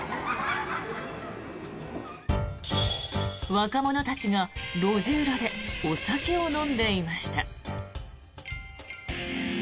若者たちが路地裏でお酒を飲んでいました。